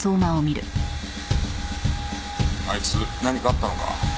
あいつ何かあったのか？